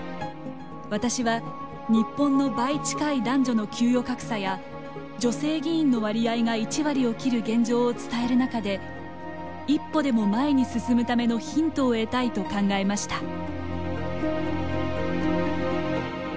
私は、日本の倍近い男女の給与格差や女性議員の割合が１割を切る現状を伝える中で一歩でも前に進むためのヒントを得たいと考えました。